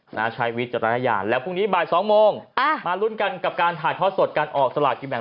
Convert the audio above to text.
ใช้วิจารณญาณแล้วพรุ่งนี้บ่ายสองโมงอ่ามาลุ้นกันกับการถ่ายทอดสดการออกสลากกินแบ่ง